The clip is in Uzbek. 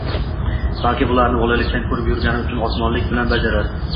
Balki bularni bolalikdan ko`rib yurgani uchun ustomonlik bilan bajarar